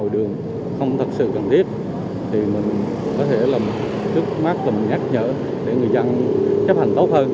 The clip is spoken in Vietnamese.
đường không thật sự cần thiết thì mình có thể làm trước mắt làm nhắc nhở để người dân chấp hành tốt hơn